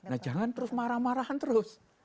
nah jangan terus marah marahan terus